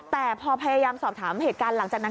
แต่พอพยายามสอบถามเหตุการณ์หลังจากนั้น